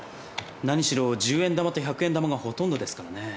何しろ１０円玉と１００円玉がほとんどですからね。